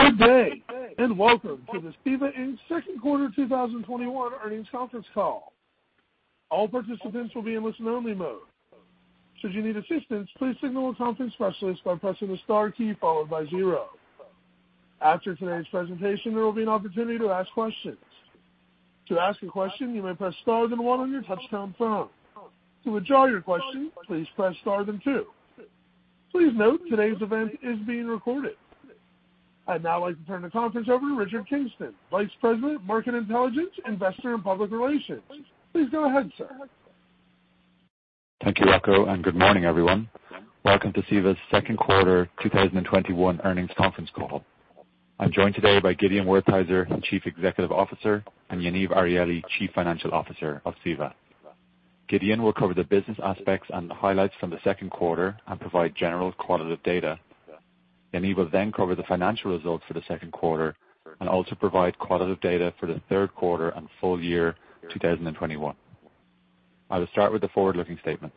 Good day and welcome to the CEVA Inc. second quarter 2021 earnings conference call. All participants will be listen-only mode. Should you need assistance, please signal a conference specialist by pressing the star key followed by zero. After today's presentation, there will be an opportunity to ask questions. To ask a question, you may press star then one on your touch-tone phone. To withdraw your question, please press star then two. Please note that today's event is being recorded. I'd now like to turn the conference over to Richard Kingston, Vice President of Market Intelligence, Investor and Public Relations. Please go ahead, sir. Thank you, Rocco. Good morning, everyone. Welcome to CEVA's second quarter 2021 earnings conference call. I'm joined today by Gideon Wertheizer, the Chief Executive Officer, and Yaniv Arieli, Chief Financial Officer of CEVA. Gideon will cover the business aspects and the highlights from the second quarter and provide general qualitative data. Yaniv will cover the financial results for the second quarter and also provide qualitative data for the third quarter and full year 2021. I will start with the forward-looking statements.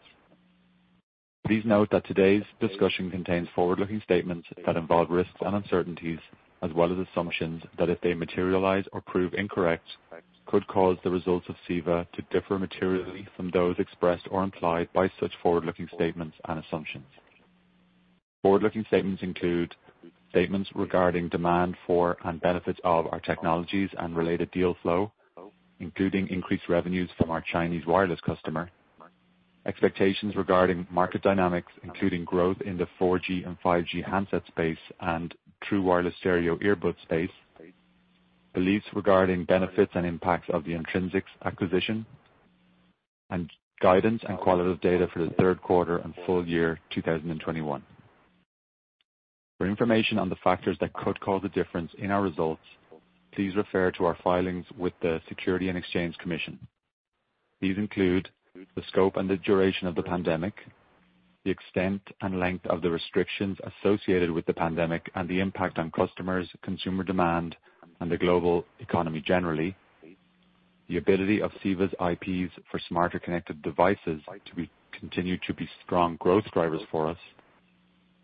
Please note that today's discussion contains forward-looking statements that involve risks and uncertainties, as well as assumptions that if they materialize or prove incorrect, could cause the results of CEVA to differ materially from those expressed or implied by such forward-looking statements and assumptions. Forward-looking statements include statements regarding demand for and benefits of our technologies and related deal flow, including increased revenues from our Chinese wireless customer, expectations regarding market dynamics, including growth in the 4G and 5G handset space and true wireless stereo earbud space, beliefs regarding benefits and impacts of the Intrinsix acquisition, and guidance and qualitative data for the third quarter and full year 2021. For information on the factors that could cause a difference in our results, please refer to our filings with the Securities and Exchange Commission. These include the scope and the duration of the pandemic, the extent and length of the restrictions associated with the pandemic, and the impact on customers, consumer demand, and the global economy generally. The ability of CEVA's IPs for smarter connected devices to continue to be strong growth drivers for us.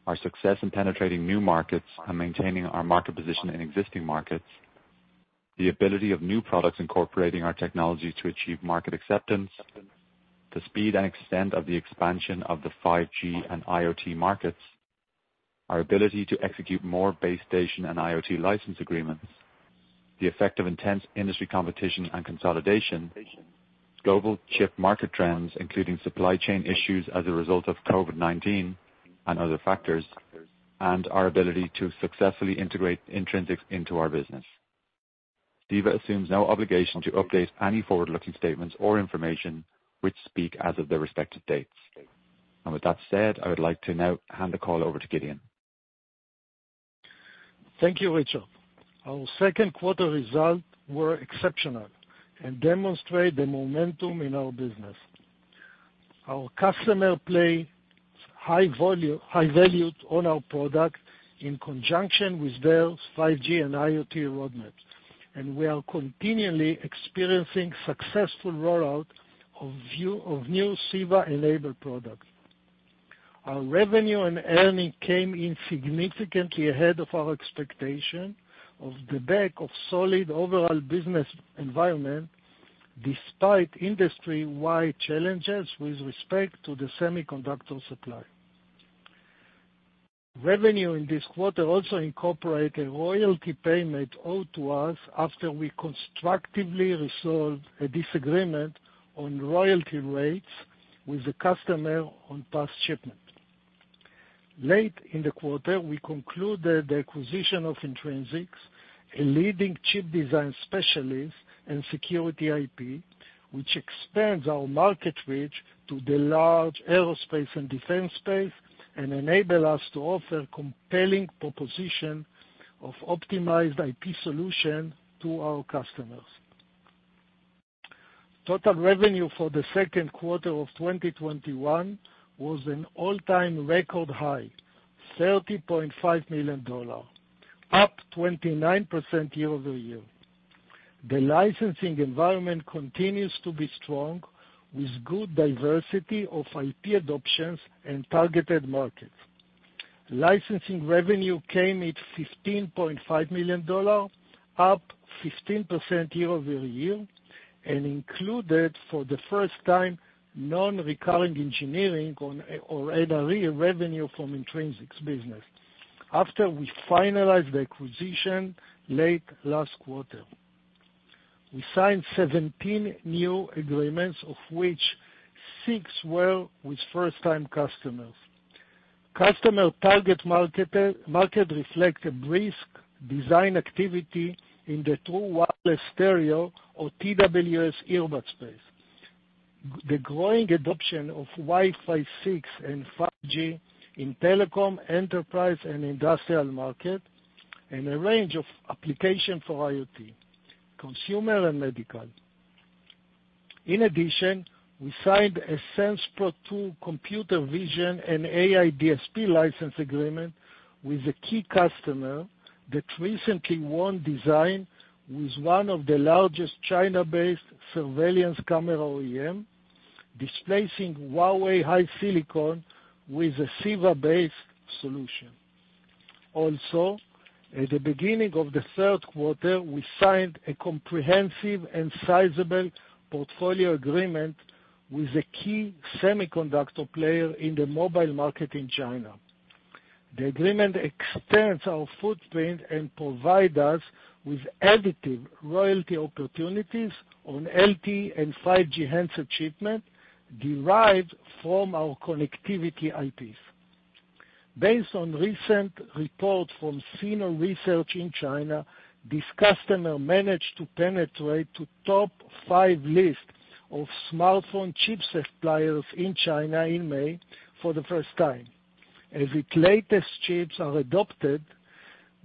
Our success in penetrating new markets and maintaining our market position in existing markets. The ability of new products incorporating our technology to achieve market acceptance. The speed and extent of the expansion of the 5G and IoT markets. Our ability to execute more base station and IoT license agreements. The effect of intense industry competition and consolidation. Global chip market trends, including supply chain issues as a result of COVID-19 and other factors, and our ability to successfully integrate Intrinsix into our business. CEVA assumes no obligation to update any forward-looking statements or information which speak as of their respective dates. With that said, I would like to now hand the call over to Gideon. Thank you, Richard. Our second quarter results were exceptional and demonstrate the momentum in our business. Our customer place high value on our product in conjunction with their 5G and IoT roadmap, and we are continually experiencing successful rollout of new CEVA-enabled products. Our revenue and earnings came in significantly ahead of our expectation of the back of solid overall business environment, despite industry-wide challenges with respect to the semiconductor supply. Revenue in this quarter also incorporate a royalty payment owed to us after we constructively resolved a disagreement on royalty rates with the customer on past shipment. Late in the quarter, we concluded the acquisition of Intrinsix, a leading chip design specialist in security IP, which expands our market reach to the large aerospace and defense space and enable us to offer compelling proposition of optimized IP solution to our customers. Total revenue for the second quarter of 2021 was an all-time record high, $30.5 million, up 29% year-over-year. The licensing environment continues to be strong, with good diversity of IP adoptions and targeted markets. Licensing revenue came at $15.5 million, up 15% year-over-year, and included for the first time non-recurring engineering or NRE revenue from Intrinsix business after we finalized the acquisition late last quarter. We signed 17 new agreements, of which six were with first-time customers. Customer target market reflect a brisk design activity in the True Wireless Stereo, or TWS, earbud space. The growing adoption of Wi-Fi 6 and 5G in telecom, enterprise, and industrial market, and a range of application for IoT, consumer, and medical. In addition, we signed a SensPro2 computer vision and AI DSP license agreement with a key customer that recently won design with one of the largest China-based surveillance camera OEM displacing Huawei HiSilicon with a CEVA-based solution. Also, at the beginning of the third quarter, we signed a comprehensive and sizable portfolio agreement with a key semiconductor player in the mobile market in China. The agreement extends our footprint and provide us with additive royalty opportunities on LTE and 5G handset shipment derived from our connectivity IPs. Based on recent report from CINNO Research in China, this customer managed to penetrate to top five list of smartphone chip suppliers in China in May for the first time, as its latest chips are adopted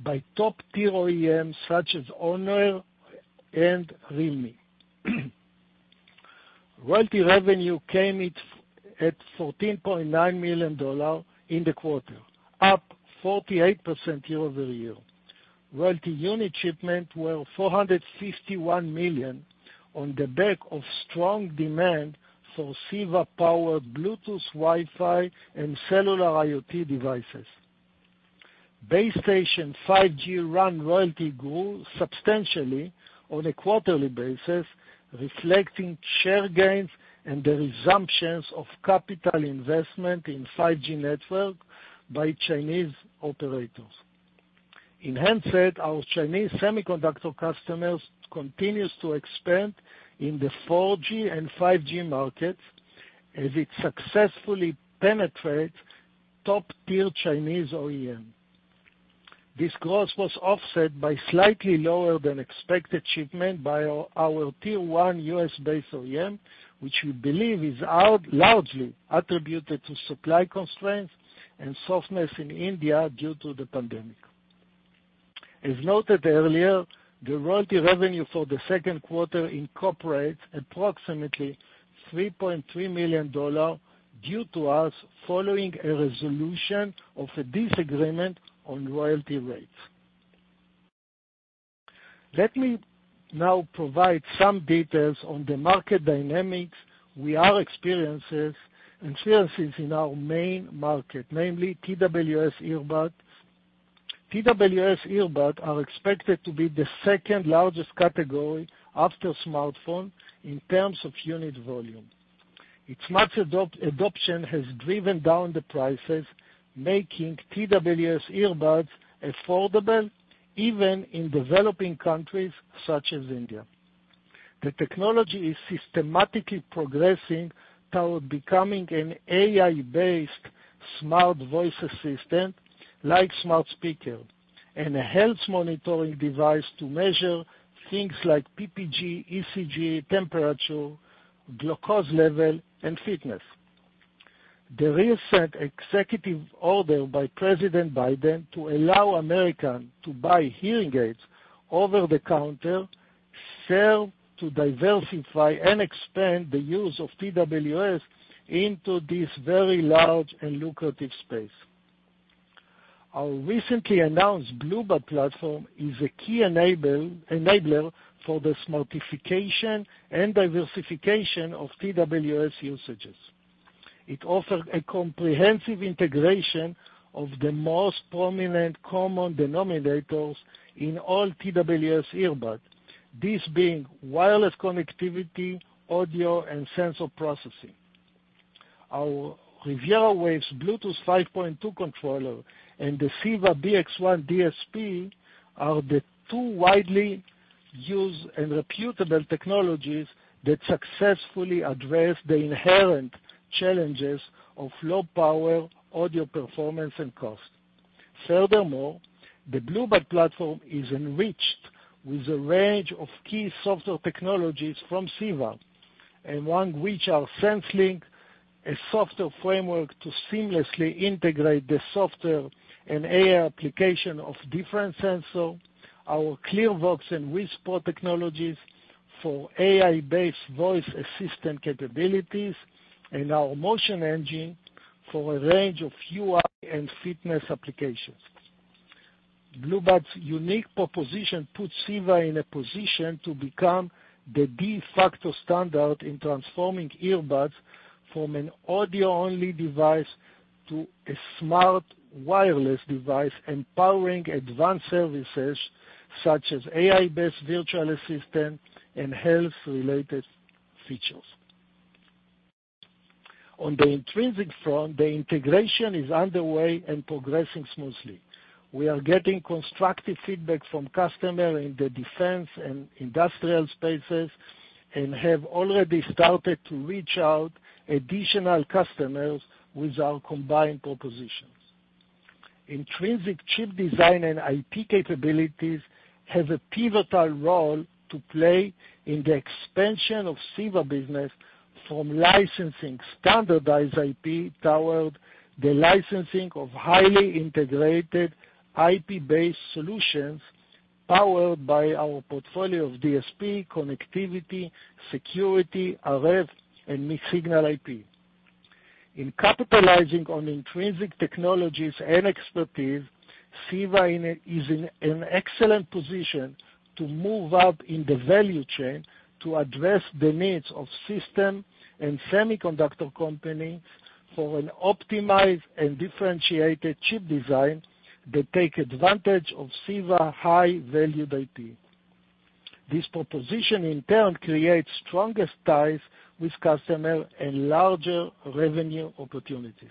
by top tier OEMs such as Honor and realme. Royalty revenue came in at $14.9 million in the quarter, up 48% year-over-year. Royalty unit shipment were 451 million on the back of strong demand for CEVA-powered Bluetooth, Wi-Fi, and cellular IoT devices. Base station 5G RAN royalty grew substantially on a quarterly basis, reflecting share gains and the resumptions of capital investment in 5G network by Chinese operators. In handset, our Chinese semiconductor customers continues to expand in the 4G and 5G markets as it successfully penetrate top tier Chinese OEM. This growth was offset by slightly lower than expected shipment by our Tier 1 U.S.-based OEM, which we believe is largely attributed to supply constraints and softness in India due to the pandemic. As noted earlier, the royalty revenue for the second quarter incorporates approximately $3.3 million due to us following a resolution of a disagreement on royalty rates. Let me now provide some details on the market dynamics we are experiencing and changes in our main market, namely TWS earbuds. TWS earbuds are expected to be the second-largest category after smartphone in terms of unit volume. Its much adoption has driven down the prices, making TWS earbuds affordable even in developing countries such as India. The technology is systematically progressing toward becoming an AI-based smart voice assistant, like smart speaker, and a health monitoring device to measure things like PPG, ECG, temperature, glucose level, and fitness. The recent executive order by President Biden to allow American to buy hearing aids over the counter serve to diversify and expand the use of TWS into this very large and lucrative space. Our recently announced Bluebud platform is a key enabler for the smartification and diversification of TWS usages. It offers a comprehensive integration of the most prominent common denominators in all TWS earbuds, this being wireless connectivity, audio, and sensor processing. Our RivieraWaves Bluetooth 5.2 controller and the CEVA-BX1 DSP are the two widely used and reputable technologies that successfully address the inherent challenges of low power audio performance and cost. Furthermore, the Bluebud platform is enriched with a range of key software technologies from CEVA, among which are SenslinQ, a software framework to seamlessly integrate the software and AI application of different sensor, our ClearVox and WhisPro technologies for AI-based voice assistant capabilities, and our MotionEngine for a range of UI and fitness applications. Bluebud's unique proposition puts CEVA in a position to become the de facto standard in transforming earbuds from an audio-only device to a smart wireless device, empowering advanced services such as AI-based virtual assistant and health-related features. On the Intrinsix front, the integration is underway and progressing smoothly. We are getting constructive feedback from customer in the defense and industrial spaces and have already started to reach out additional customers with our combined propositions. Intrinsix chip design and IP capabilities have a pivotal role to play in the expansion of CEVA business from licensing standardized IP toward the licensing of highly integrated IP-based solutions powered by our portfolio of DSP, connectivity, security, RF, and mixed signal IP. In capitalizing on Intrinsix's technologies and expertise, CEVA is in an excellent position to move up in the value chain to address the needs of system and semiconductor companies for an optimized and differentiated chip design that takes advantage of CEVA high-value IP. This proposition, in turn, creates stronger ties with customers and larger revenue opportunities.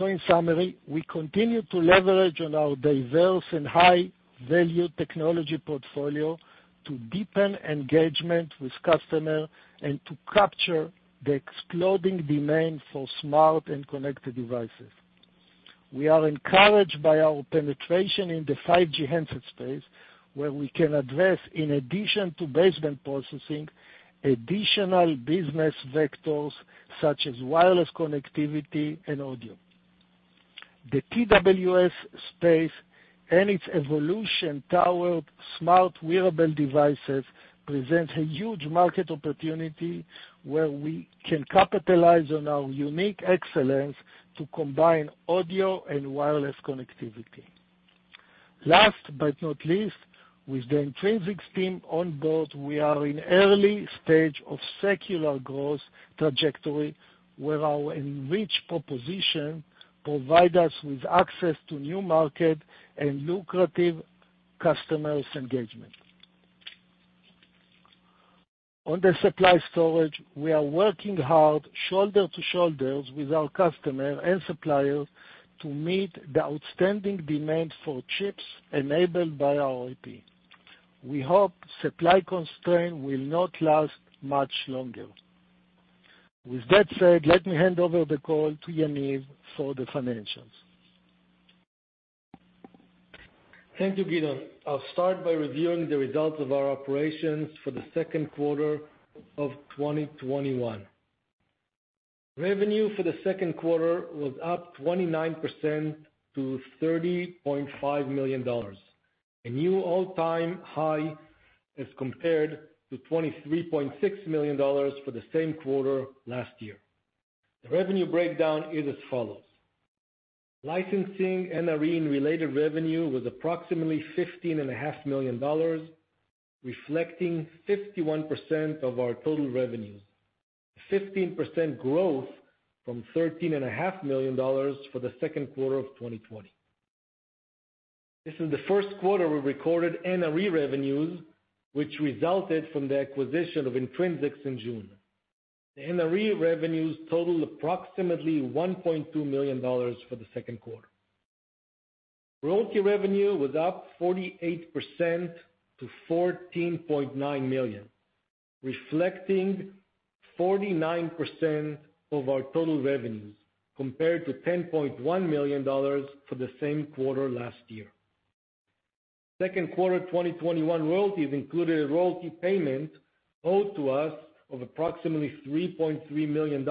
In summary, we continue to leverage on our diverse and high-value technology portfolio to deepen engagement with customers and to capture the exploding demand for smart and connected devices. We are encouraged by our penetration in the 5G handset space, where we can address, in addition to baseband processing, additional business vectors such as wireless connectivity and audio. The TWS space and its evolution toward smart wearable devices presents a huge market opportunity where we can capitalize on our unique excellence to combine audio and wireless connectivity. Last but not least, with the Intrinsix team on board, we are in early stage of secular growth trajectory, where our enriched proposition provides us with access to new market and lucrative customers engagement. On the supply shortage, we are working hard, shoulder to shoulder with our customers and suppliers, to meet the outstanding demand for chips enabled by our IP. We hope supply constraint will not last much longer. With that said, let me hand over the call to Yaniv for the financials. Thank you, Gideon. I'll start by reviewing the results of our operations for the second quarter of 2021. Revenue for the second quarter was up 29% to $30.5 million, a new all-time high as compared to $23.6 million for the same quarter last year. The revenue breakdown is as follows: licensing and NRE-related revenue was approximately $15.5 million, reflecting 51% of our total revenues, a 15% growth from $13.5 million for the second quarter of 2020. This is the first quarter we recorded NRE revenues, which resulted from the acquisition of Intrinsix in June. The NRE revenues totaled approximately $1.2 million for the second quarter. Royalty revenue was up 48% to $14.9 million, reflecting 49% of our total revenues, compared to $10.1 million for the same quarter last year. Second quarter 2021 royalties included a royalty payment owed to us of approximately $3.3 million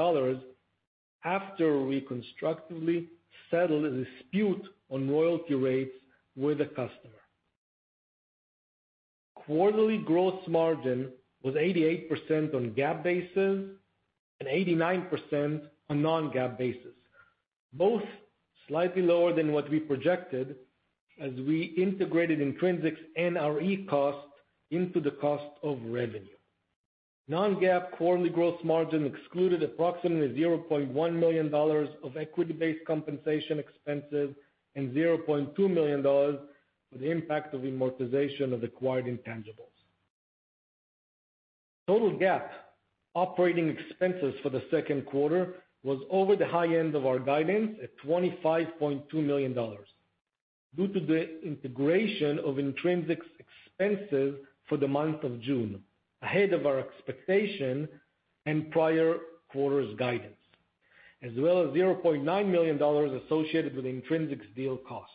after we constructively settled a dispute on royalty rates with a customer. Quarterly gross margin was 88% on GAAP basis and 89% on non-GAAP basis, both slightly lower than what we projected as we integrated Intrinsix's NRE cost into the cost of revenue. Non-GAAP quarterly gross margin excluded approximately $0.1 million of equity-based compensation expenses and $0.2 million for the impact of amortization of acquired intangibles. Total GAAP operating expenses for the second quarter was over the high end of our guidance at $25.2 million due to the integration of Intrinsix's expenses for the month of June, ahead of our expectation and prior quarter's guidance, as well as $0.9 million associated with Intrinsix's deal cost.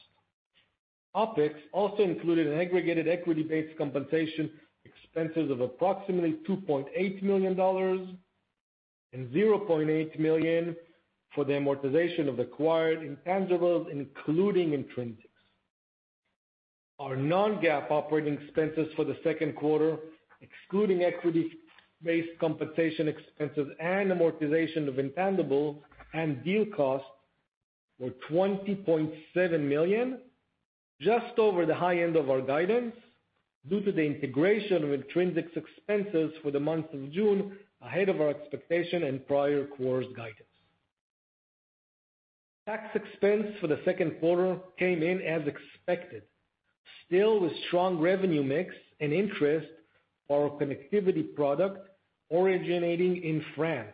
OpEx also included an aggregated equity-based compensation expenses of approximately $2.8 million and $0.8 million for the amortization of acquired intangibles, including Intrinsix's. Our non-GAAP operating expenses for the second quarter, excluding equity-based compensation expenses and amortization of intangibles and deal costs, were $20.7 million, just over the high end of our guidance due to the integration of Intrinsix's expenses for the month of June, ahead of our expectation and prior quarter's guidance. Tax expense for the second quarter came in as expected, still with strong revenue mix and interest for our connectivity product originating in France,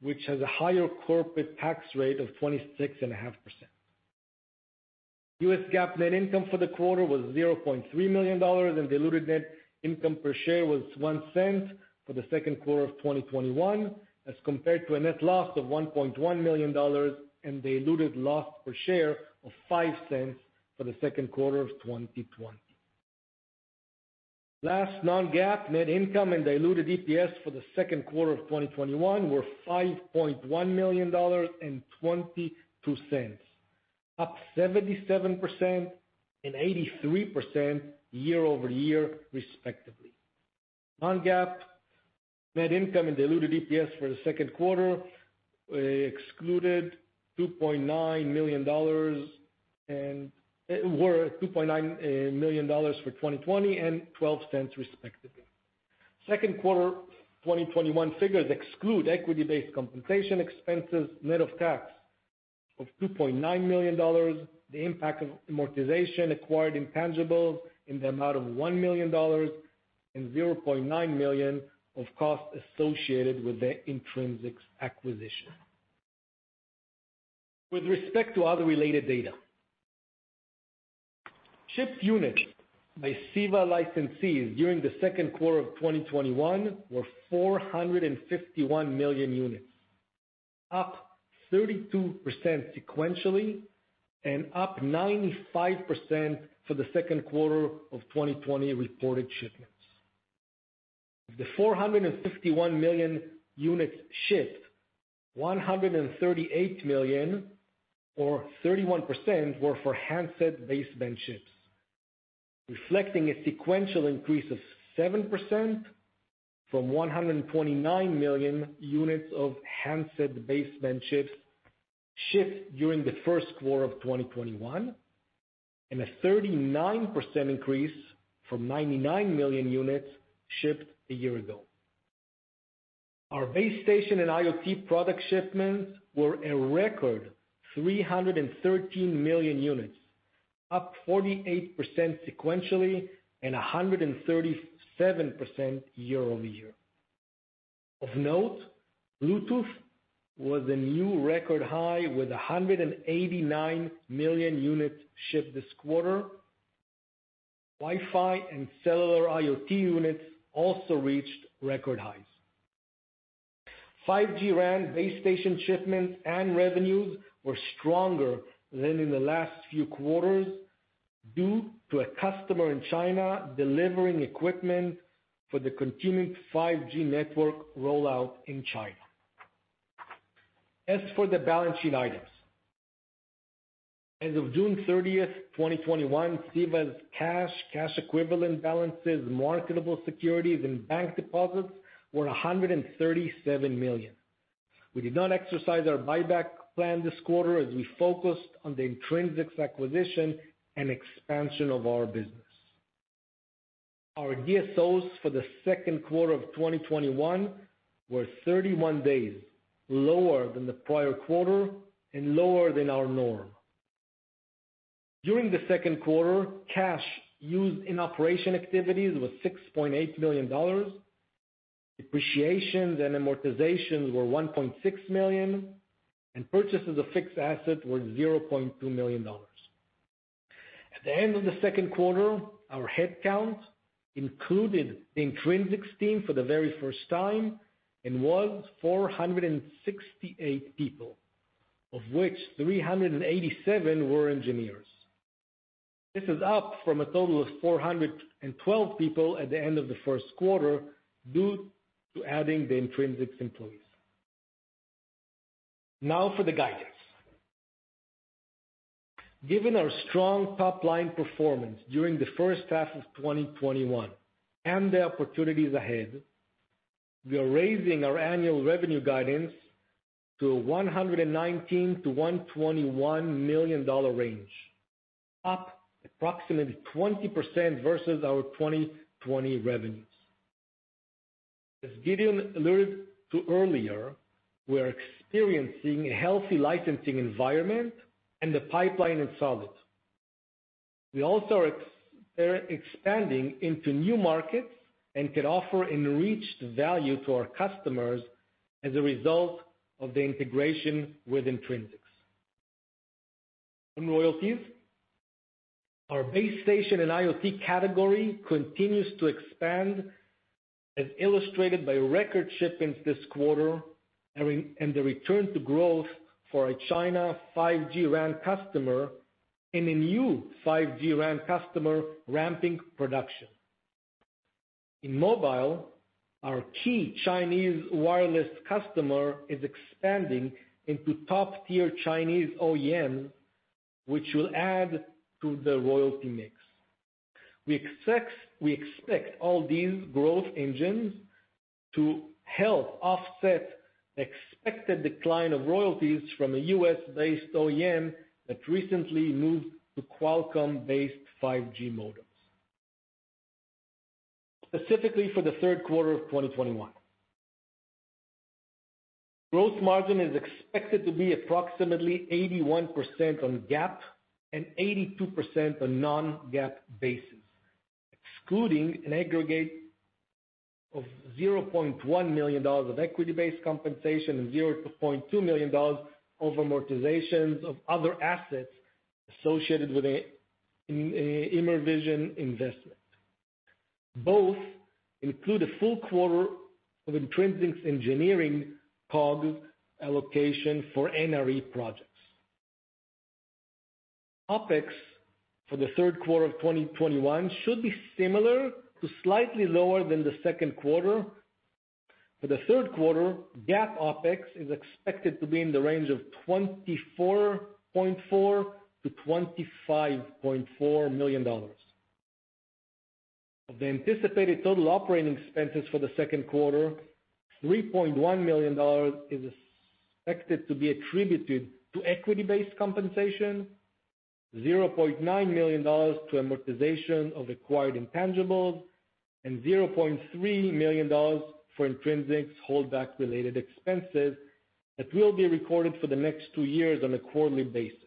which has a higher corporate tax rate of 26.5%. US GAAP net income for the quarter was $0.3 million, and diluted net income per share was $0.01 for the second quarter of 2021 as compared to a net loss of $1.1 million and diluted loss per share of $0.05 for the second quarter of 2020. Last, non-GAAP net income and diluted EPS for the second quarter of 2021 were $5.1 million and $0.22. Up 77% and 83% year-over-year, respectively. Non-GAAP net income and diluted EPS for the second quarter were at $2.9 million for 2020 and $0.12, respectively. Second quarter 2021 figures exclude equity-based compensation expenses net of tax of $2.9 million, the impact of amortization acquired intangibles in the amount of $1 million, and $0.9 million of costs associated with the Intrinsix's acquisition. With respect to other related data. Shipped units by CEVA licensees during the second quarter of 2021 were 451 million units, up 32% sequentially and up 95% for the second quarter of 2020 reported shipments. Of the 451 million units shipped, 138 million or 31% were for handset baseband chips, reflecting a sequential increase of 7% from 129 million units of handset baseband chips shipped during the first quarter of 2021, and a 39% increase from 99 million units shipped a year ago. Our base station and IoT product shipments were a record 313 million units, up 48% sequentially and 137% year-over-year. Of note, Bluetooth was a new record high with 189 million units shipped this quarter. Wi-Fi and cellular IoT units also reached record highs. 5G RAN base station shipments and revenues were stronger than in the last few quarters due to a customer in China delivering equipment for the continued 5G network rollout in China. As for the balance sheet items, as of June 30th, 2021, CEVA's cash equivalent balances, marketable securities, and bank deposits were $137 million. We did not exercise our buyback plan this quarter as we focused on the Intrinsix acquisition and expansion of our business. Our DSOs for the second quarter of 2021 were 31 days, lower than the prior quarter and lower than our norm. During the second quarter, cash used in operation activities was $6.8 million, depreciations and amortizations were $1.6 million, and purchases of fixed assets were $0.2 million. At the end of the second quarter, our head count included the Intrinsix team for the very first time and was 468 people, of which 387 were engineers. This is up from a total of 412 people at the end of the first quarter due to adding the Intrinsix employees. For the guidance. Given our strong top-line performance during the first half of 2021 and the opportunities ahead, we are raising our annual revenue guidance to $119 million-$121 million range, up approximately 20% versus our 2020 revenues. As Gideon alluded to earlier, we are experiencing a healthy licensing environment and the pipeline is solid. We also are expanding into new markets and can offer enriched value to our customers as a result of the integration with Intrinsix. In royalties, our base station and IoT category continues to expand as illustrated by record shipments this quarter and the return to growth for our China 5G RAN customer and a new 5G RAN customer ramping production. In mobile, our key Chinese wireless customer is expanding into top-tier Chinese OEM, which will add to the royalty mix. We expect all these growth engines to help offset expected decline of royalties from a U.S.-based OEM that recently moved to Qualcomm-based 5G modems. Specifically for the third quarter of 2021, gross margin is expected to be approximately 81% on GAAP and 82% on non-GAAP basis, excluding an aggregate of $0.1 million of equity-based compensation and $0.2 million of amortizations of other assets associated with an Immervision investment. Both include a full quarter of Intrinsix's engineering COGS allocation for NRE projects. OpEx for the third quarter of 2021 should be similar to slightly lower than the second quarter. For the third quarter, GAAP OpEx is expected to be in the range of $24.4 million-$25.4 million. Of the anticipated total operating expenses for the second quarter, $3.1 million is expected to be attributed to equity-based compensation, $0.9 million to amortization of acquired intangibles, and $0.3 million for Intrinsix holdback-related expenses that will be recorded for the next two years on a quarterly basis.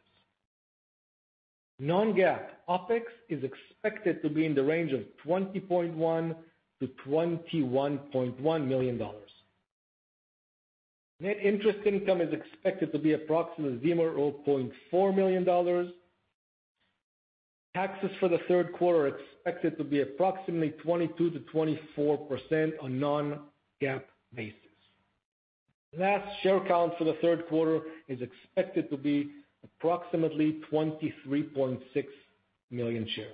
Non-GAAP OpEx is expected to be in the range of $20.1 million-$21.1 million. Net interest income is expected to be approximately $0.4 million. Taxes for the third quarter are expected to be approximately 22%-24% on non-GAAP basis. Last share count for the third quarter is expected to be approximately 23.6 million shares.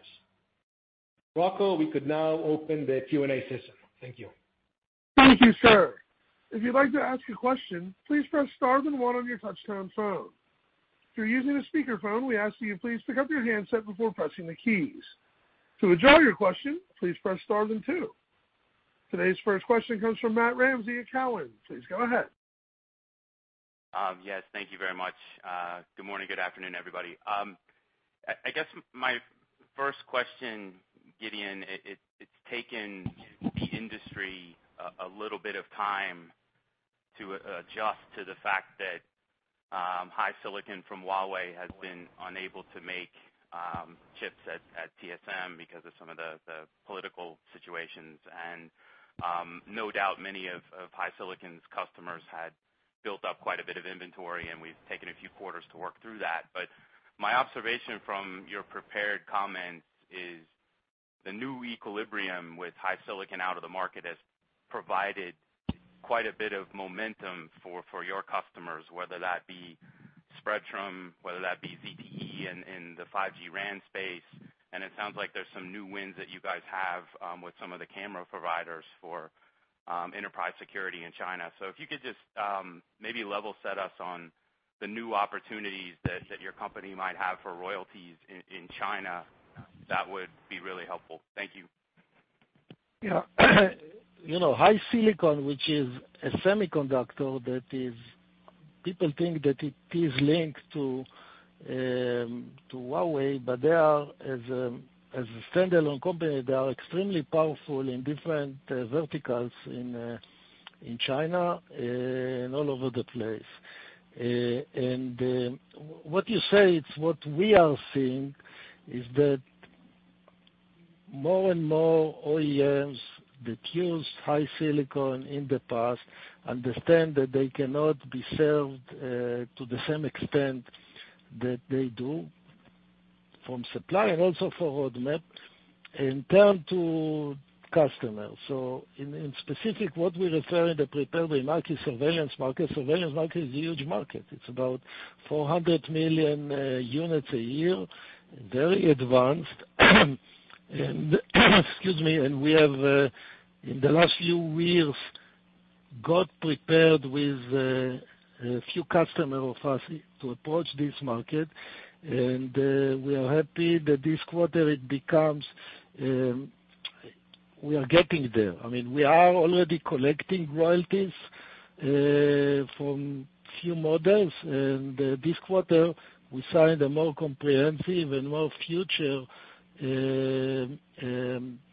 Rocco, we could now open the Q&A session. Thank you. Thank you, sir. Today's first question comes from Matt Ramsay at Cowen. Please go ahead. Yes, thank you very much. Good morning, good afternoon, everybody. I guess my first question, Gideon, it's taken the industry a little bit of time to adjust to the fact that HiSilicon from Huawei has been unable to make chips at TSMC because of some of the political situations. No doubt, many of HiSilicon's customers had built up quite a bit of inventory, and we've taken a few quarters to work through that. My observation from your prepared comments is the new equilibrium with HiSilicon out of the market has provided quite a bit of momentum for your customers, whether that be Spreadtrum, whether that be ZTE in the 5G RAN space, and it sounds like there's some new wins that you guys have with some of the camera providers for enterprise security in China. If you could just maybe level set us on the new opportunities that your company might have for royalties in China, that would be really helpful. Thank you. HiSilicon, which is a semiconductor that people think that it is linked to Huawei, but as a standalone company, they are extremely powerful in different verticals in China and all over the place. What you say, it's what we are seeing is that more and more OEMs that used HiSilicon in the past understand that they cannot be served to the same extent that they do from supply and also for roadmap in turn to customers. In specific, what we refer in the prepared remarks is surveillance market. Surveillance market is a huge market. It's about 400 million units a year, very advanced. Excuse me. We have, in the last few years, got prepared with a few customer of ours to approach this market, and we are happy that this quarter, we are getting there. We are already collecting royalties from few models, and this quarter, we signed a more comprehensive and more future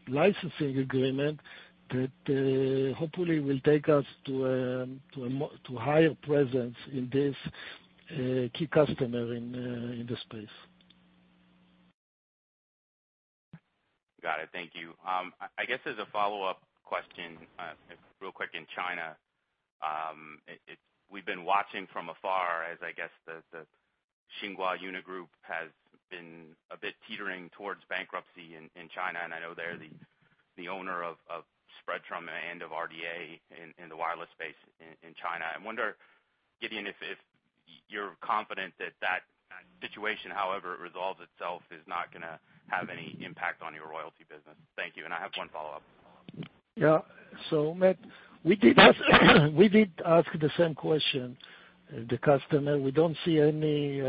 licensing agreement that hopefully will take us to higher presence in this key customer in the space. Got it. Thank you. I guess as a follow-up question, real quick in China, we've been watching from afar as I guess the Tsinghua Unigroup has been a bit teetering towards bankruptcy in China, and I know they're the owner of Spreadtrum and of RDA in the wireless space in China. I wonder, Gideon, if you're confident that that situation, however it resolves itself, is not going to have any impact on your royalty business. Thank you. I have one follow-up. Yeah. Matt, we did ask the same question. The customer, we don't see any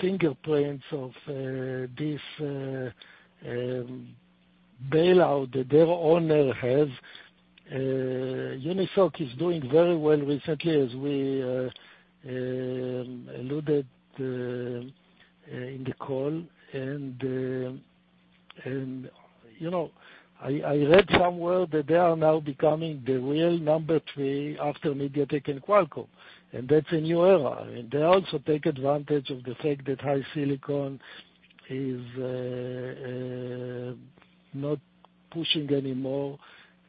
fingerprints of this bailout that their owner has. UNISOC is doing very well recently, as we alluded in the call. I read somewhere that they are now becoming the real number three after MediaTek and Qualcomm, and that's a new era. They also take advantage of the fact that HiSilicon is not pushing anymore.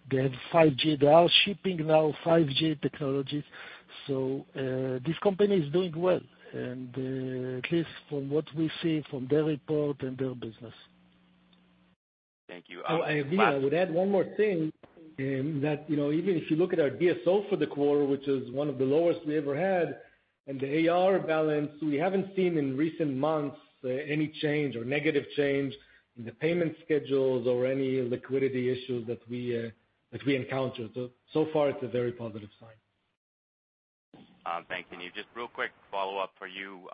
They have 5G. They are shipping now 5G technologies. This company is doing well, at least from what we see from their report and their business. Thank you. I would add one more thing, that even if you look at our DSO for the quarter, which is one of the lowest we ever had, and the AR balance, we haven't seen in recent months any change or negative change in the payment schedules or any liquidity issues that we encountered. Far, it's a very positive sign. Thanks, Yaniv. Just real quick follow-up for you.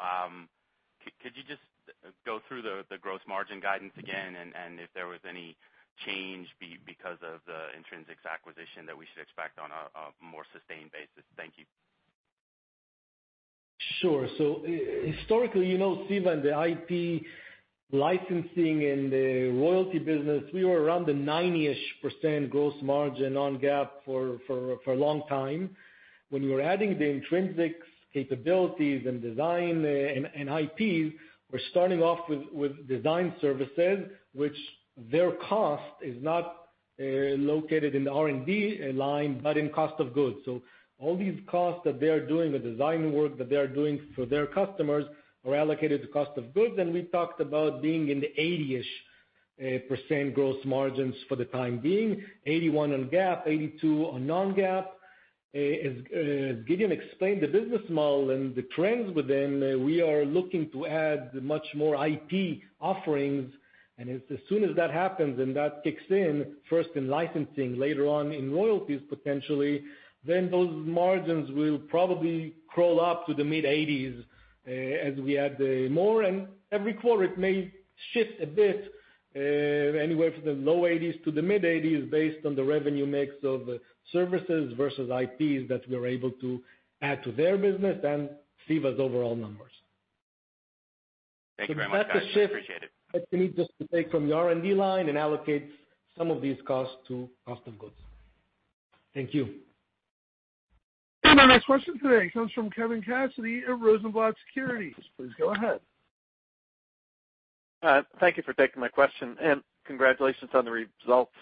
Could you just go through the gross margin guidance again, and if there was any change because of the Intrinsix acquisition that we should expect on a more sustained basis? Thank you. Sure. Historically, you know, CEVA, the IP licensing and the royalty business, we were around the 90%-ish gross margin on GAAP for a long time. When we were adding the Intrinsix capabilities and design and IPs, we're starting off with design services, which their cost is not located in the R&D line, but in cost of goods. All these costs that they are doing, the design work that they are doing for their customers, are allocated to cost of goods. We talked about being in the 80%-ish gross margins for the time being, 81% on GAAP, 82% on non-GAAP. As Gideon explained, the business model and the trends within, we are looking to add much more IP offerings. As soon as that happens and that kicks in, first in licensing, later on in royalties potentially, then those margins will probably crawl up to the mid 80s% as we add more. Every quarter it may shift a bit, anywhere from the low 80s% to the mid 80s% based on the revenue mix of services versus IPs that we are able to add to their business and CEVA's overall numbers. Thank you very much for that, Yaniv. Appreciate it. That shift, that you need just to take from the R&D line and allocate some of these costs to cost of goods. Thank you. Our next question today comes from Kevin Cassidy of Rosenblatt Securities. Please go ahead. Thank you for taking my question. Congratulations on the results.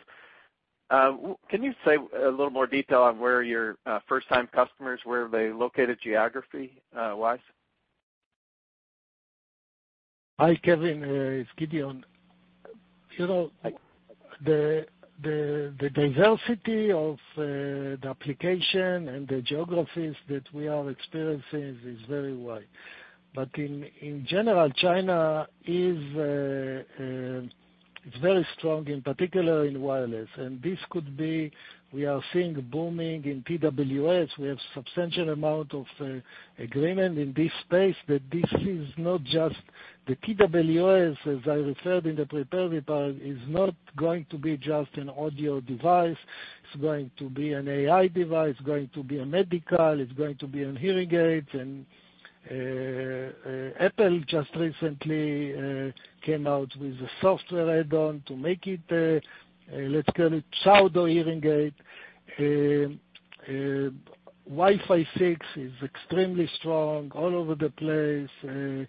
Can you say a little more detail on where are they located geography-wise? Hi, Kevin. It's Gideon. The diversity of the application and the geographies that we are experiencing is very wide. In general, China is very strong, in particular in wireless. This could be, we are seeing booming in TWS. We have substantial amount of agreement in this space that this is not just the TWS, as I referred in the prepared report, is not going to be just an audio device. It's going to be an AI device, it's going to be in medical, it's going to be in hearing aids. Apple just recently came out with a software add-on to make it, let's call it, pseudo hearing aid. Wi-Fi 6 is extremely strong all over the place.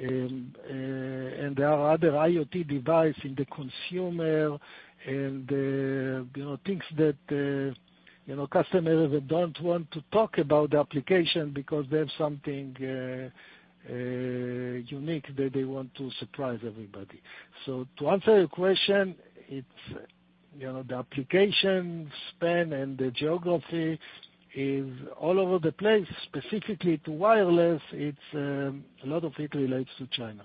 There are other IoT device in the consumer and things that customers don't want to talk about the application because they have something unique that they want to surprise everybody. To answer your question, the application span and the geography is all over the place. Specifically to wireless, a lot of it relates to China.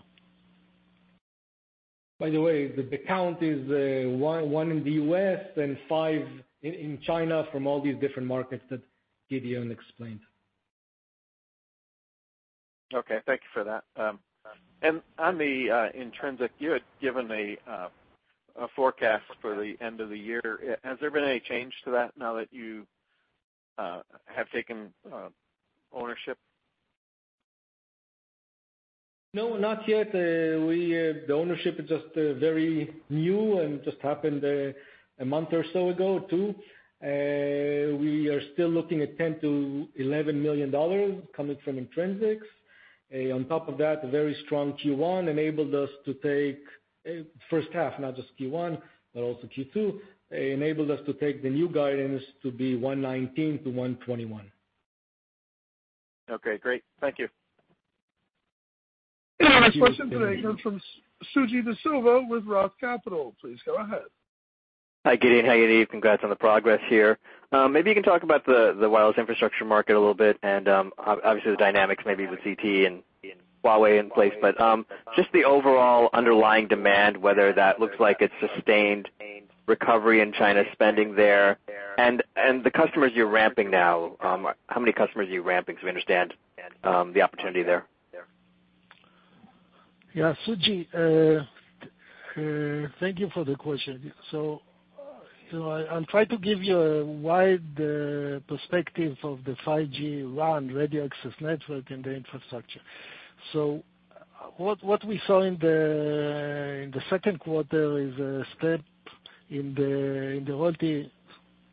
By the way, the count is one in the U.S. and five in China from all these different markets that Gideon explained. Okay. Thank you for that. On the Intrinsix, you had given a forecast for the end of the year. Has there been any change to that now that you have taken ownership? No, not yet. The ownership is just very new and just happened a month or so ago, two. We are still looking at $10 million-$11 million coming from Intrinsix. On top of that, very strong Q1 enabled us to take, first half, not just Q1, but also Q2, enabled us to take the new guidance to be $119 million-$121 million. Okay, great. Thank you. Next question today comes from Suji Desilva with Roth Capital. Please go ahead. Hi, Gideon. Hey, Yaniv. Congrats on the progress here. Maybe you can talk about the wireless infrastructure market a little bit and, obviously, the dynamics, maybe the ZTE and Huawei in place, but just the overall underlying demand, whether that looks like it's sustained recovery in China, spending there. The customers you're ramping now, how many customers are you ramping so we understand the opportunity there? Yeah, Suji, thank you for the question. I'll try to give you a wide perspective of the 5G RAN, radio access network, and the infrastructure. What we saw in the second quarter is a step in the royalty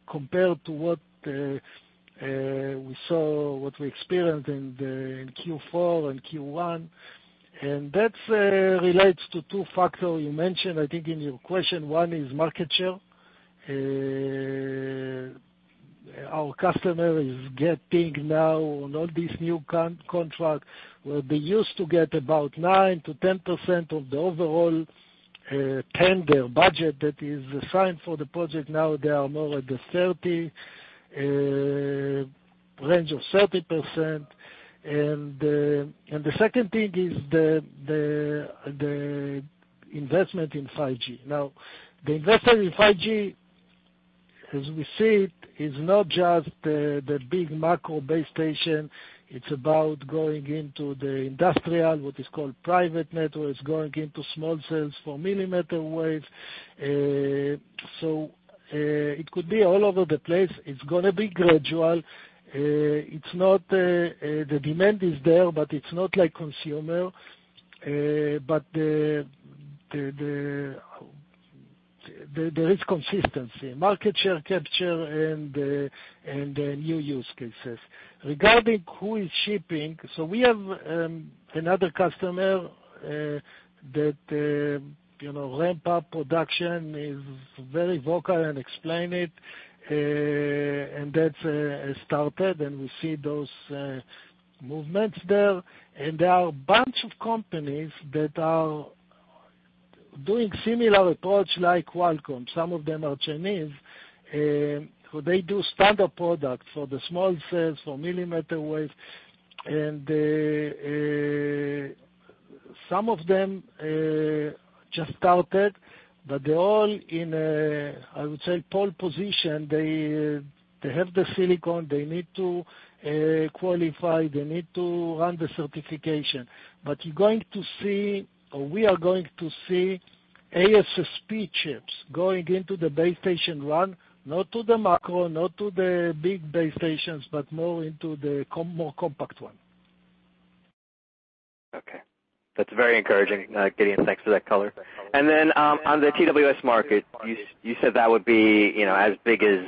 compared to what we experienced in Q4 and Q1. That relates to two factors you mentioned, I think in your question. One is market share. Our customer is getting now on all these new contracts, where they used to get about 9%-10% of the overall tender budget that is assigned for the project. Now, they are more like the range of 30%. The second thing is the investment in 5G. Now, the investment in 5G, as we see it's not just the big macro base station. It's about going into the industrial, what is called private networks, going into small cells for millimeter waves. It could be all over the place. It's going to be gradual. The demand is there, but it's not like consumer. There is consistency, market share capture, and new use cases. Regarding who is shipping, we have another customer that ramp-up production is very vocal and explain it, and that's started, and we see those movements there. There are a bunch of companies that are doing similar approach like Qualcomm. Some of them are Chinese, who they do standard products for the small cells, for millimeter waves. Some of them just started, but they're all in, I would say, pole position. They have the silicon. They need to qualify. They need to run the certification. You're going to see, or we are going to see ASSP chips going into the base station RAN, not to the macro, not to the big base stations, but more into the more compact one. Okay. That's very encouraging, Gideon. Thanks for that color. Then, on the TWS market, you said that would be as big as,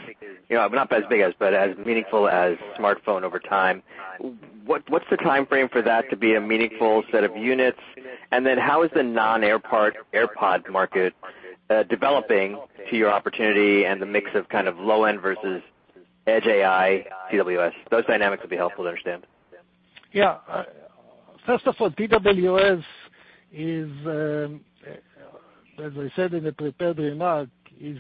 not as big as, but as meaningful as smartphone over time. What's the timeframe for that to be a meaningful set of units? Then how is the non-AirPods market developing to your opportunity and the mix of kind of low-end versus edge AI TWS? Those dynamics would be helpful to understand. First of all, TWS is, as I said in the prepared remark, is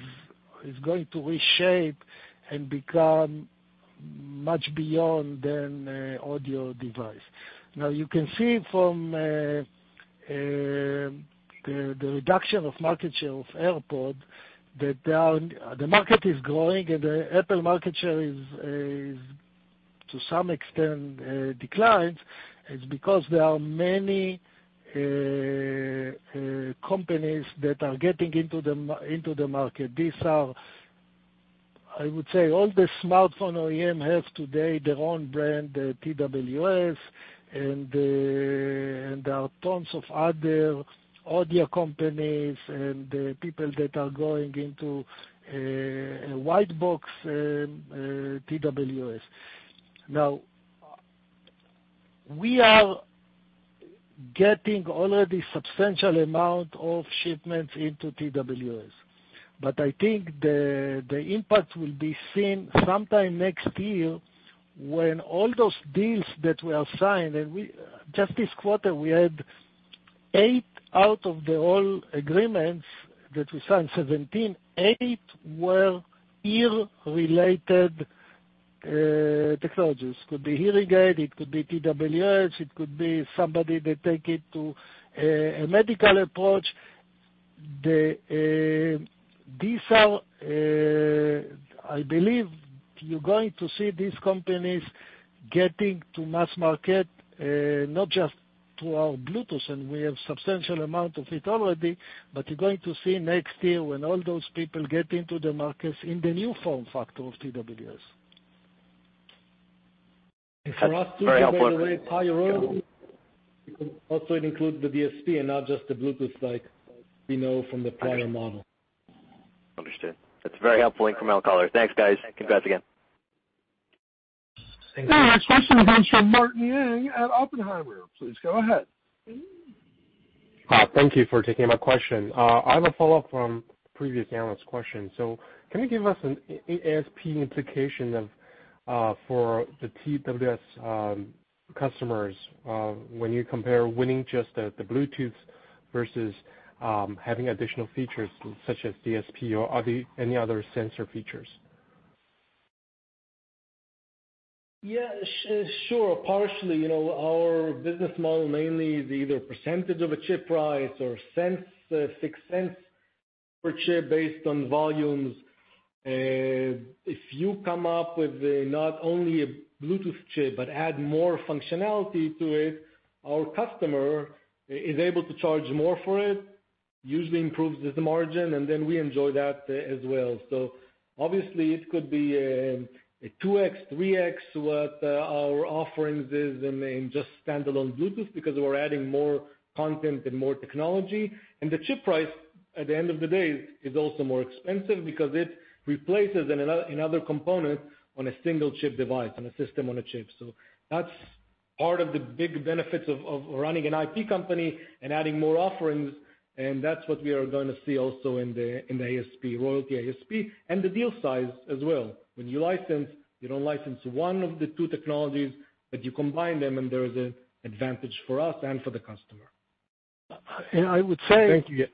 going to reshape and become much beyond an audio device. You can see from the reduction of market share of AirPods that the market is growing and the Apple market share is to some extent declines. It's because there are many companies that are getting into the market. These are, I would say, all the smartphone OEM have today their own brand TWS, and there are tons of other audio companies and people that are going into a white box TWS. We are getting already substantial amount of shipments into TWS. I think the impact will be seen sometime next year when all those deals that were signed, and just this quarter, we had eight out of the all agreements that we signed, 17, eight were ear-related technologies. Could be hearing aid, it could be TWS, it could be somebody that take it to a medical approach. I believe you're going to see these companies getting to mass market, not just to our Bluetooth, and we have substantial amount of it already. You're going to see next year when all those people get into the markets in the new form factor of TWS. That's very helpful. For us too, by the way, also it includes the DSP and not just the Bluetooth like we know from the prior model. Understood. That's a very helpful incremental color. Thanks, guys. Congrats again. Our next question comes from Martin Yang at Oppenheimer. Please go ahead. Thank you for taking my question. I have a follow-up from the previous analyst question. Can you give us an ASP implication for the TWS customers, when you compare winning just the Bluetooth versus having additional features such as DSP or any other sensor features? Partially, our business model mainly is either percentage of a chip price or $0.06 per chip based on volumes. If you come up with not only a Bluetooth chip but add more functionality to it, our customer is able to charge more for it, usually improves the margin, and then we enjoy that as well. Obviously, it could be a 2 x, 3 x what our offerings is in just standalone Bluetooth because we're adding more content and more technology. The chip price, at the end of the day, is also more expensive because it replaces another component on a single chip device, on a system on a SoC. That's part of the big benefits of running an IP company and adding more offerings, and that's what we are going to see also in the royalty ASP, and the deal size as well. When you license, you don't license one of the two technologies, but you combine them, and there is an advantage for us and for the customer. And I would say. Thank you.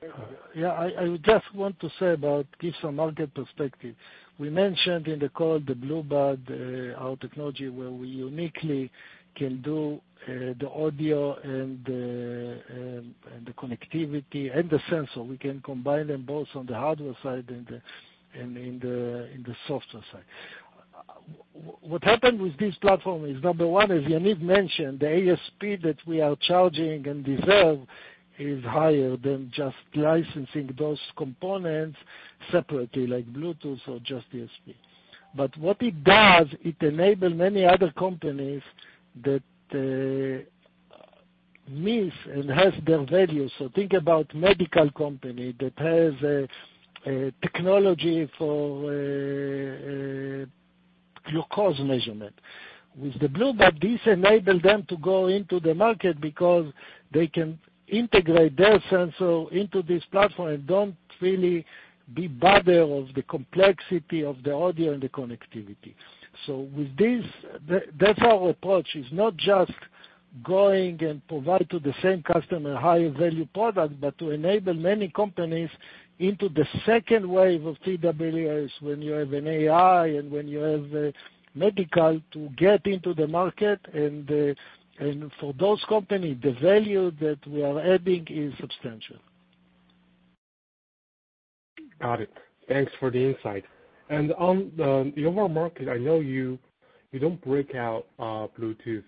Yeah, I just want to say about give some market perspective. We mentioned in the call the Bluebud, our technology where we uniquely can do the audio and the connectivity and the sensor. We can combine them both on the hardware side and in the software side. What happened with this platform is, number one, as Yaniv mentioned, the ASP that we are charging and deserve is higher than just licensing those components separately, like Bluetooth or just DSP. What it does, it enable many other companies that miss and have their value. Think about medical company that has a technology for glucose measurement. With the Bluebud, this enable them to go into the market because they can integrate their sensor into this platform and don't really be bothered of the complexity of the audio and the connectivity. With this, that's our approach, is not just going and provide to the same customer higher value product, but to enable many companies into the second wave of TWS when you have an AI and when you have medical to get into the market. For those company, the value that we are adding is substantial. Got it. Thanks for the insight. On the overall market, I know you don't break out Bluetooth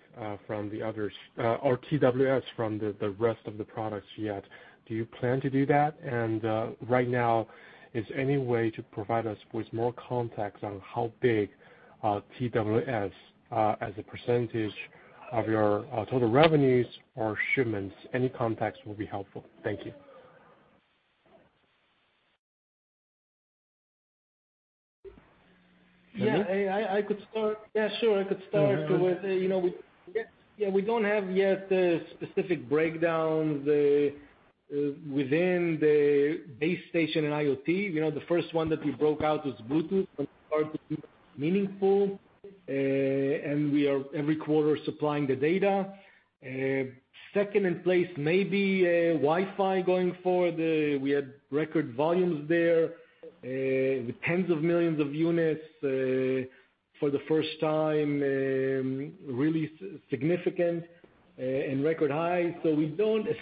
from the others, or TWS from the rest of the products yet. Do you plan to do that? Right now, is any way to provide us with more context on how big TWS as a percentage of your total revenues or shipments? Any context will be helpful. Thank you. I could start. Sure. I could start with, we don't have yet a specific breakdown within the base station in IoT. The first one that we broke out was Bluetooth when it started to be meaningful. We are every quarter supplying the data. Second in place may be Wi-Fi going forward. We had record volumes there, with tens of millions of units for the first time, really significant and record high. As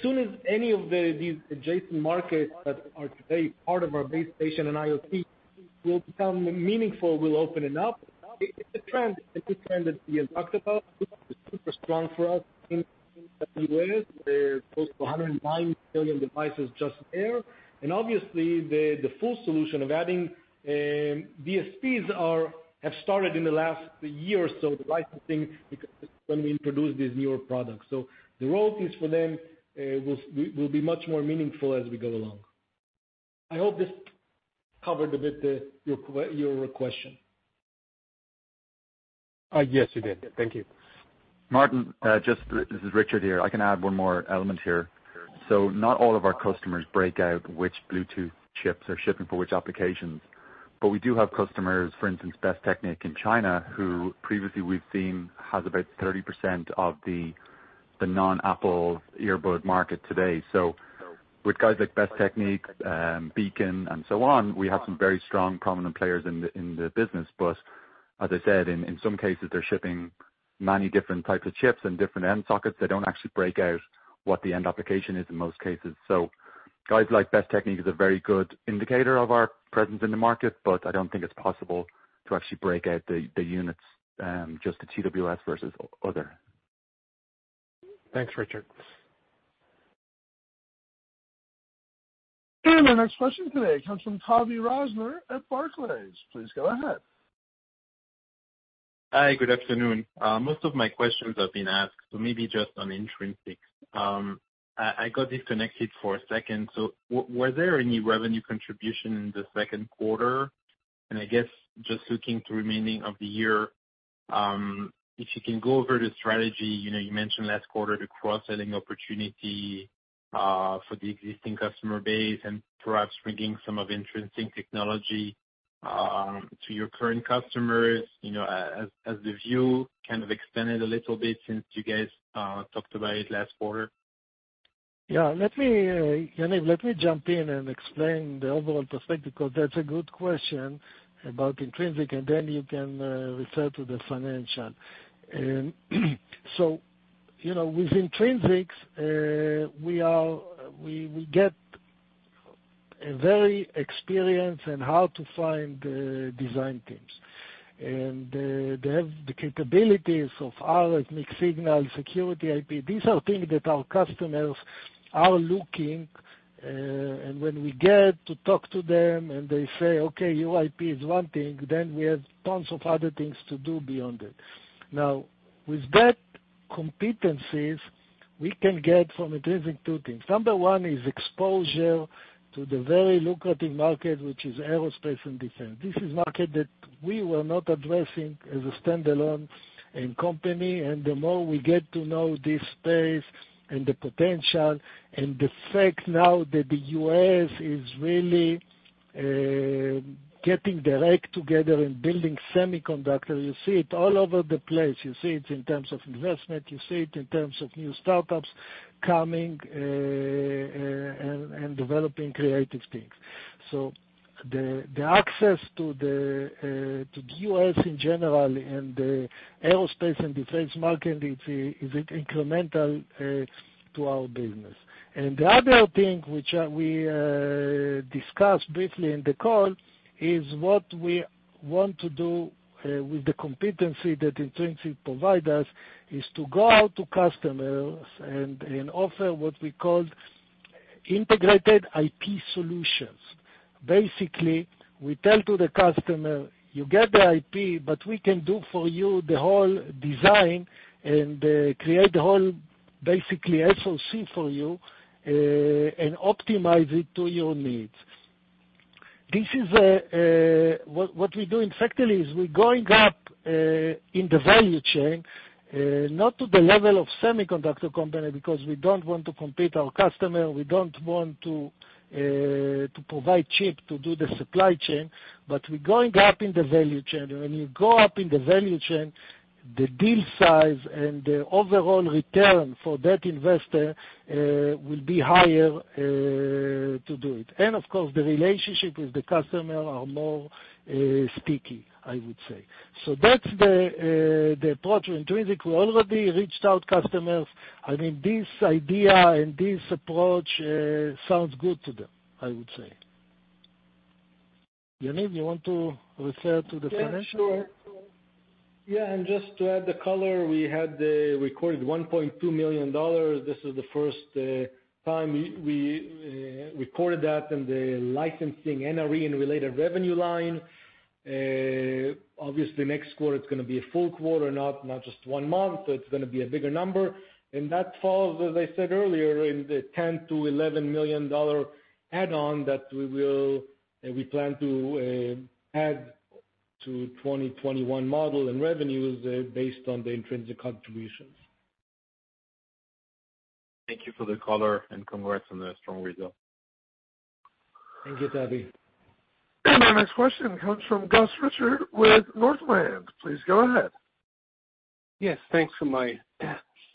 soon as any of these adjacent markets that are today part of our base station and IoT will become meaningful, we'll open it up. It's a trend that Ian talked about. Bluetooth is super strong for us in the U.S., close to 190 million devices just there. Obviously, the full solution of adding DSPs have started in the last year or so, the licensing, when we introduced these newer products. The road piece for them will be much more meaningful as we go along. I hope this covered a bit your question. Yes, it did. Thank you. Martin, this is Richard here. I can add one more element here. Not all of our customers break out which Bluetooth chips are shipping for which applications. We do have customers, for instance, Bestechnic in China, who previously we've seen has about 30% of the non-Apple earbud market today. With guys like Bestechnic, Beken, and so on, we have some very strong prominent players in the business. As I said, in some cases, they're shipping many different types of chips and different end sockets. They don't actually break out what the end application is in most cases. Guys like Bestechnic is a very good indicator of our presence in the market, but I don't think it's possible to actually break out the units, just the TWS versus other. Thanks, Richard. Our next question today comes from Tavy Rosner at Barclays. Please go ahead. Hi, good afternoon. Most of my questions have been asked, so maybe just on Intrinsix. I got disconnected for a second. Were there any revenue contribution in the second quarter? I guess just looking to remaining of the year, if you can go over the strategy. You mentioned last quarter the cross-selling opportunity for the existing customer base and perhaps bringing some of Intrinsix technology to your current customers. Has the view kind of expanded a little bit since you guys talked about it last quarter? Yaniv, let me jump in and explain the overall perspective, because that's a good question about Intrinsix, and then you can refer to the financial. With Intrinsix, we get a very experienced and how to find design teams. They have the capabilities of our mixed signal security IP. These are things that our customers are looking, and when we get to talk to them and they say, "Okay, your IP is one thing," then we have tons of other things to do beyond it. With that competencies, we can get from Intrinsix two things. Number one is exposure to the very lucrative market, which is aerospace and defense. This is a market that we were not addressing as a standalone company. The more we get to know this space and the potential, and the fact now that the U.S. is really getting their act together in building semiconductor, you see it all over the place. You see it in terms of investment, you see it in terms of new startups coming and developing creative things. The access to the U.S. in general and the aerospace and defense market is incremental to our business. The other thing which we discussed briefly in the call is what we want to do with the competency that Intrinsix provide us, is to go out to customers and offer what we call integrated IP solutions. Basically, we tell to the customer, "You get the IP, but we can do for you the whole design and create the whole basically SoC for you, and optimize it to your needs." What we do in fact is we're going up in the value chain, not to the level of semiconductor company, because we don't want to compete our customer, we don't want to provide chip to do the supply chain, but we're going up in the value chain. When you go up in the value chain, the deal size and the overall return for that investor will be higher to do it. Of course, the relationship with the customer are more sticky, I would say. That's the approach with Intrinsix. We already reached out customers. This idea and this approach sounds good to them, I would say. Yaniv, you want to refer to the financial? Sure. Just to add the color, we had recorded $1.2 million. This is the first time we recorded that in the licensing NRE and related revenue line. Obviously, next quarter, it's going to be a full quarter, not just one month, so it's going to be a bigger number. That falls, as I said earlier, in the $10 million-$11 million add-on that we plan to add to 2021 model in revenues based on the Intrinsix contributions. Thank you for the color and congrats on the strong result. Thank you, Tavy. Our next question comes from Gus Richard with Northland. Please go ahead. Thanks for my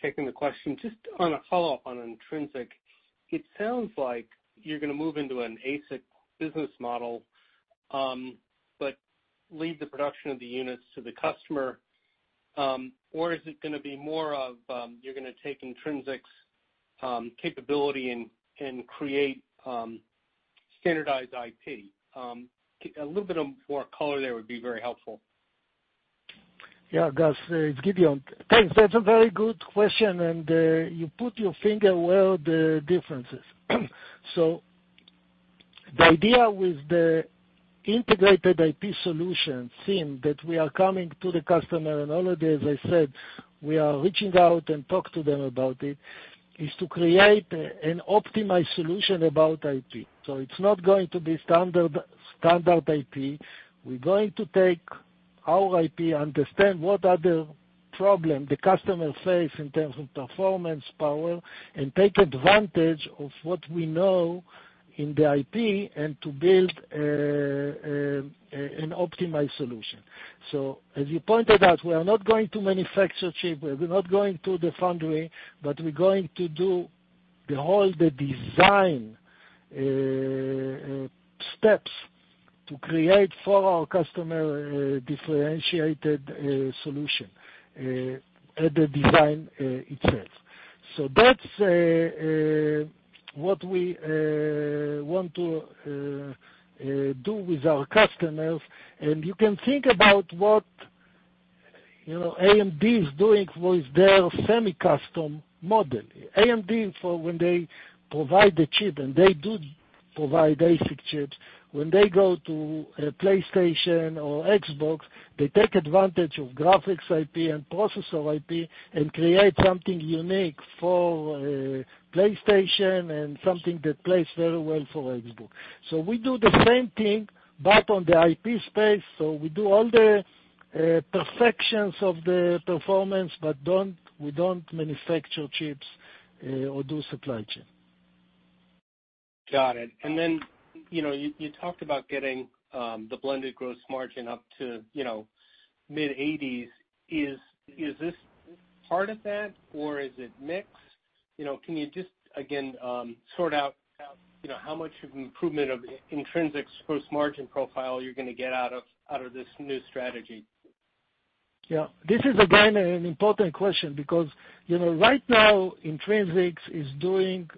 taking the question. Just on a follow-up on Intrinsix. It sounds like you're going to move into an ASIC business model, but leave the production of the units to the customer. Is it going to be more of, you're going to take Intrinsix's capability and create standardized IP? A little bit of more color there would be very helpful. Yeah, Gus, it's Gideon. Thanks. That's a very good question, and you put your finger where the difference is. The idea with the integrated IP solution theme that we are coming to the customer and already, as I said, we are reaching out and talk to them about it, is to create an optimized solution about IP. It's not going to be standard IP. We're going to take our IP, understand what are the problem the customer face in terms of performance, power, and take advantage of what we know in the IP, and to build an optimized solution. As you pointed out, we are not going to manufacture chip, we are not going to the foundry, but we're going to do the whole design steps to create for our customer a differentiated solution at the design itself. That's what we want to do with our customers. You can think about what AMD is doing with their semi-custom model. AMD, when they provide the chip, and they do provide ASIC chips. When they go to a PlayStation or Xbox, they take advantage of graphics IP and processor IP, and create something unique for PlayStation and something that plays very well for Xbox. We do the same thing, but on the IP space. We do all the perfections of the performance, but we don't manufacture chips or do supply chain. Got it. You talked about getting the blended gross margin up to mid-80s. Is this part of that, or is it mixed? Can you just, again, sort out how much of an improvement of Intrinsix's gross margin profile you're going to get out of this new strategy? Yeah. This is again, an important question because, right now, Intrinsix is doing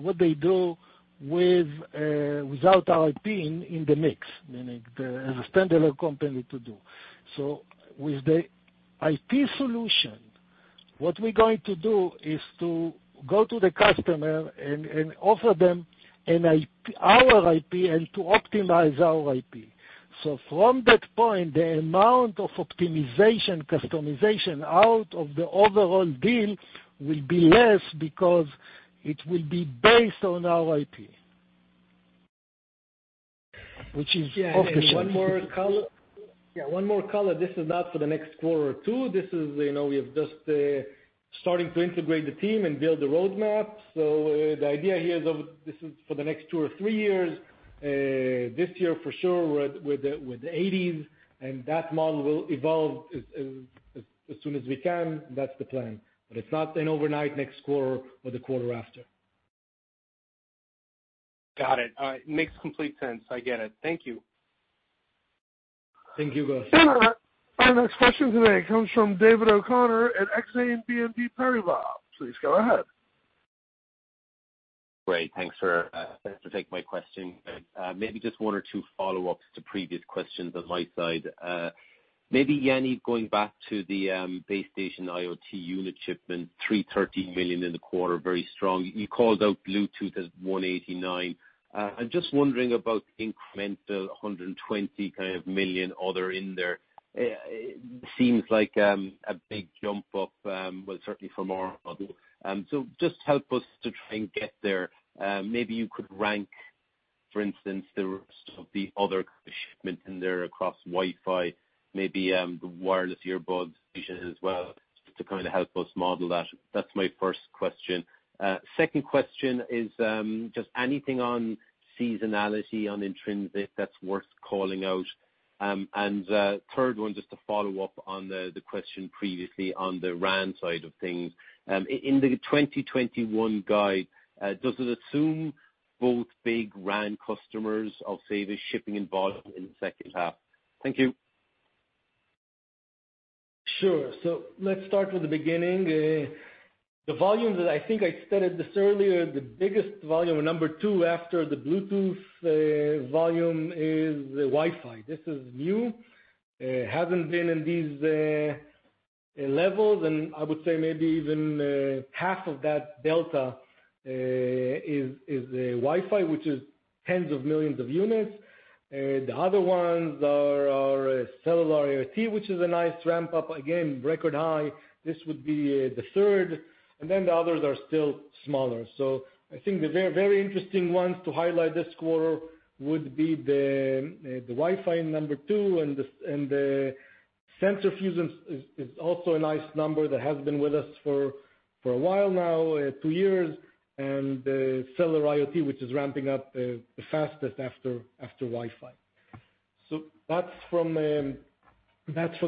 what they do without our IP in the mix. Meaning, as a standalone company to do. With the IP solution, what we're going to do is to go to the customer and offer them our IP and to optimize our IP. From that point, the amount of optimization, customization out of the overall deal will be less because it will be based on our IP. Which is off the shelf. Yeah. One more color. This is not for the next quarter or two. We have just starting to integrate the team and build the roadmap. The idea here is this is for the next two or three years. This year for sure, we're with the 80s, and that model will evolve as soon as we can. That's the plan. It's not an overnight, next quarter or the quarter after. Got it. All right. Makes complete sense. I get it. Thank you. Thank you, Gus. Our next question today comes from David O'Connor at Exane BNP Paribas. Please go ahead. Thanks for taking my question. Just one or two follow-ups to previous questions on my side. Yanni, going back to the base station IoT unit shipment, $330 million in the quarter, very strong. You called out Bluetooth as 189. I'm just wondering about the incremental $120 million other in there. It seems like a big jump up, well, certainly from our model. Just help us to try and get there. You could rank, for instance, the rest of the other shipments in there across Wi-Fi, the wireless earbuds as well, to kind of help us model that. That's my first question. Second question is, anything on seasonality on Intrinsix that's worth calling out. Third one, to follow up on the question previously on the RAN side of things. In the 2021 guide, does it assume both big RAN customers, I'll say, the shipping involved in the second half? Thank you. Sure. Let's start from the beginning. The volumes that I think I stated this earlier, the biggest volume, number two after the Bluetooth volume is Wi-Fi. This is new. It hasn't been in these levels, and I would say maybe even half of that delta is Wi-Fi, which is tens of millions of units. The other ones are cellular IoT, which is a nice ramp up. Again, record high. This would be the third, the others are still smaller. I think the very interesting ones to highlight this quarter would be the Wi-Fi number two and the sensor fusion is also a nice number that has been with us for a while now, two years, and the cellular IoT, which is ramping up the fastest after Wi-Fi. That's from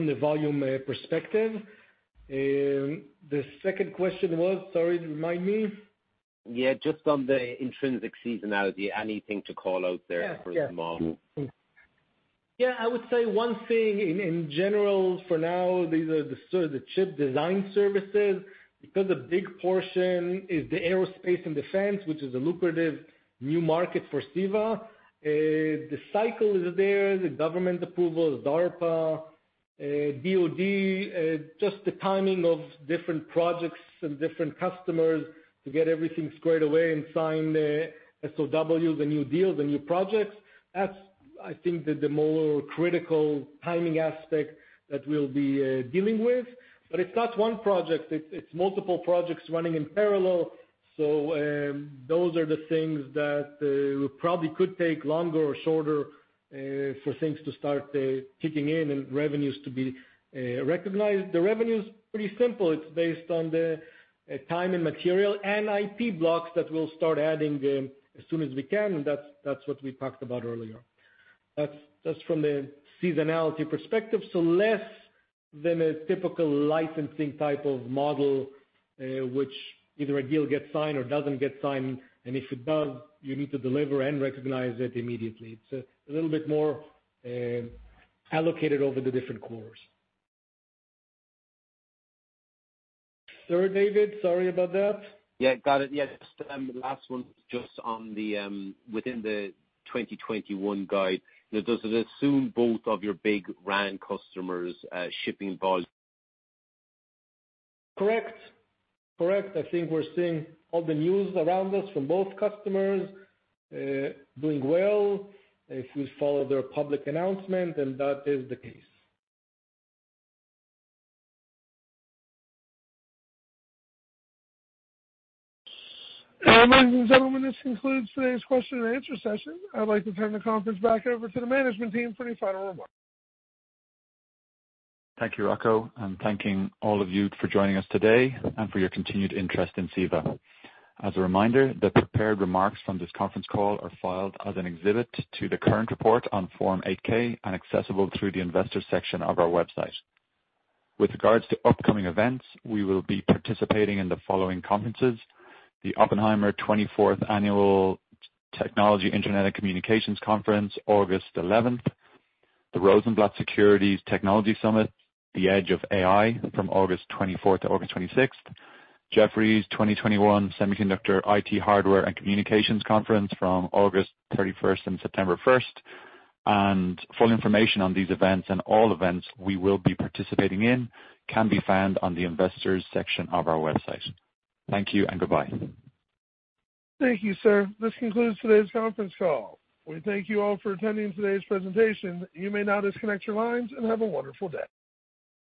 the volume perspective. The second question was? Sorry, remind me. Yeah, just on the Intrinsix seasonality, anything to call out there for the model? I would say one thing in general for now, these are the chip design services, because a big portion is the Aerospace and Defense, which is a lucrative new market for CEVA. The cycle is there, the government approval, DARPA, DoD, just the timing of different projects and different customers to get everything squared away and sign the SOW, the new deals, the new projects. That's, I think, the more critical timing aspect that we'll be dealing with. It's not one project, it's multiple projects running in parallel. Those are the things that probably could take longer or shorter for things to start kicking in and revenues to be recognized. The revenue is pretty simple. It's based on the time and material and IP blocks that we'll start adding as soon as we can. That's what we talked about earlier. That's from the seasonality perspective. Less than a typical licensing type of model, which either a deal gets signed or doesn't get signed, and if it does, you need to deliver and recognize it immediately. It's a little bit more allocated over the different quarters. Third, David? Sorry about that. Yeah, got it. Yeah, just the last one, within the 2021 guide, does it assume both of your big RAN customers shipping volume? Correct. I think we're seeing all the news around us from both customers doing well. If we follow their public announcement, then that is the case. Ladies and gentlemen, this concludes today's question and answer session. I'd like to turn the conference back over to the management team for any final remarks. Thank you, Rocco, and thanking all of you for joining us today and for your continued interest in CEVA. As a reminder, the prepared remarks from this conference call are filed as an exhibit to the current report on Form 8-K and accessible through the investors section of our website. With regards to upcoming events, we will be participating in the following conferences: the Oppenheimer 24th Annual Technology, Internet, and Communications Conference, August 11th. The Rosenblatt Securities Technology Summit, The Age of AI, from August 24th to August 26th. Jefferies 2021 Semiconductor, IT Hardware, and Communications Conference from August 31st and September 1st. Full information on these events and all events we will be participating in can be found on the investors section of our website. Thank you and goodbye. Thank you, sir. This concludes today's conference call. We thank you all for attending today's presentation. You may now disconnect your lines and have a wonderful day.